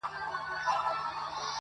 هم جواب دی هم مي سوال دی.